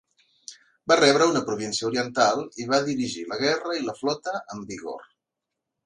Va rebre una província oriental i va dirigir la guerra i la flota amb vigor.